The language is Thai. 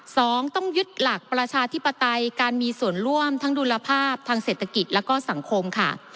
สองต้องยึดหลักประชาธิปไตยการมีส่วนร่วมทั้งดุลภาพทางเศรษฐกิจแล้วก็สังคมค่ะ